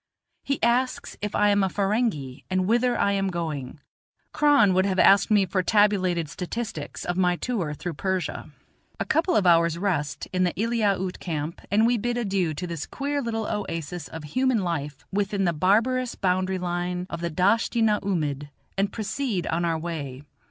he asks if I am a Ferenghi and whither I am going; Kron would have asked me for tabulated statistics of my tour through Persia. A couple of hours' rest in the Eliaute camp, and we bid adieu to this queer little oasis of human life within the barbarous boundary line of the Dasht i na oomid, and proceed on our way.